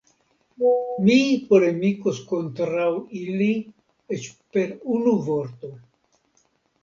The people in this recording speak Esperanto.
Mi polemikos kontraŭ ili eĉ per unu vorto.